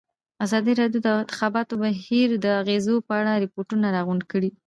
ازادي راډیو د د انتخاباتو بهیر د اغېزو په اړه ریپوټونه راغونډ کړي.